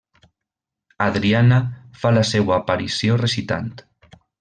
Adriana fa la seua aparició recitant.